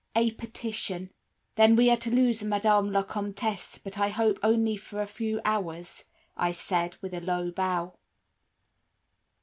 A Petition "'Then we are to lose Madame la Comtesse, but I hope only for a few hours,' I said, with a low bow.